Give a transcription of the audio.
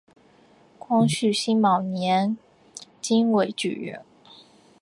光绪辛卯年京闱举人。